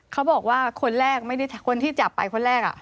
เขาบอกว่าคนที่จับไปคนแรกอ่ะ